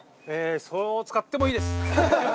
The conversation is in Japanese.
そう使ってもいいです！